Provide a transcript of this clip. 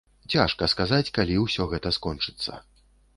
Цяжка сказаць, калі ўсё гэта скончыцца.